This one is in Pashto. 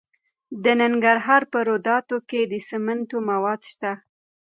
د ننګرهار په روداتو کې د سمنټو مواد شته.